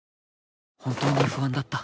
［本当に不安だった］